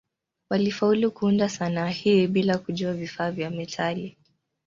Walifaulu kuunda sanaa hii bila kujua vifaa vya metali.